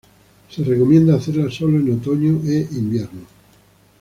Se recomienda hacerla solo en otoño e invierno.